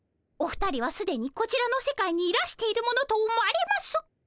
お二人はすでにこちらの世界にいらしているものと思われます。